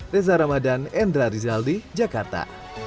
reza ramadan endra rizaldi jakarta